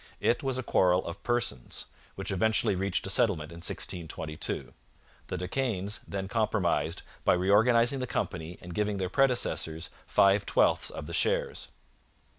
It was a quarrel of persons, which eventually reached a settlement in 1622. The De Caens then compromised by reorganizing the company and giving their predecessors five twelfths of the shares.